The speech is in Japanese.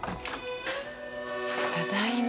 ただいま。